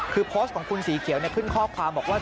คือโพสต์ของคุณสีเขียวขึ้นข้อความบอกว่า